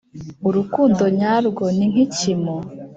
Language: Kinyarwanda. urukundo nyarwo ni nki kimu,